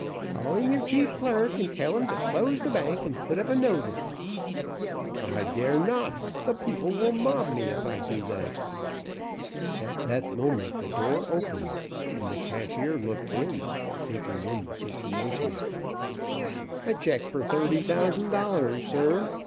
Call in your chief clerk and tell him to close the bank and put up a notice!" "I dare not; the people will mob me if I do that." At that moment the door opened, and the cashier looked in, taking in the situation. "A check for thirty thousand dollars, sir!"